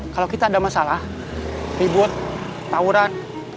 kalau kita ada masalah ribut tawuran